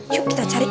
yuk kita cari